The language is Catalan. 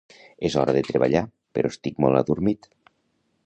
És hora de treballar, però estic molt adormit